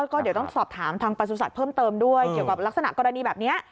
ก็เดี๋ยวต้องสอบถามทางประสุทธิ์เพิ่มเติมด้วยเกี่ยวกับลักษณะกรณีแบบนี้